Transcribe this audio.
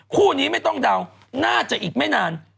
คู่นี้ไม่ต้องเดาน่าจะอีกไม่นาน